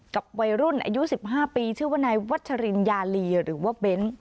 กับวัยรุ่นอายุ๑๕ปีชื่อว่านายวัชรินยาลีหรือว่าเบ้น